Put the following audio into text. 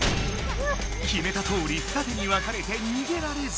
決めたとおり二手に分かれて逃げられず。